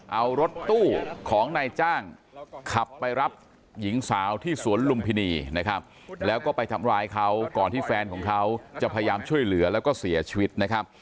เอารถตู้ของนายจ้างขับไปรับหญิงสาวที่สวนลุมพินีนะครับแล้วก็ไปทำร้ายเขาก่อนที่แฟนของเขาจะพยายามช่วยเหลือแล้วก็เสียชีวิตนะครับ